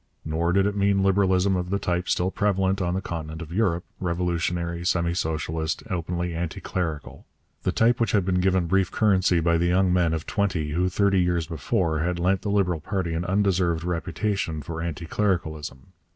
Nor did it mean Liberalism of the type still prevalent on the continent of Europe, revolutionary, semi socialist, openly anti clerical; the type which had been given brief currency by the young men of twenty who thirty years before had lent the Liberal party an undeserved reputation for anti clericalism.